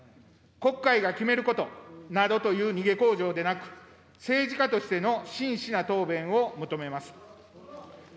国会が決めることなどという逃げ口上でなく、政治家としての真摯な答弁を求めます。